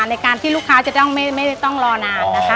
ในการที่ลูกค้าจะต้องไม่ต้องรอนานนะคะ